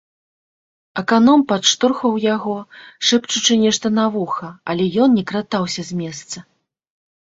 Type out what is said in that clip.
Аканом падштурхваў яго, шэпчучы нешта на вуха, але ён не кратаўся з месца.